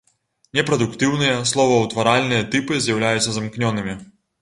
Непрадуктыўныя словаўтваральныя тыпы з'яўляюцца замкнёнымі.